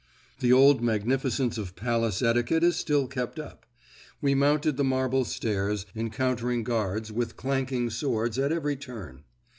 The old magnificence of palace etiquette is still kept up. We mounted the marble stairs, encountering guards, with clanking swords, at every turn.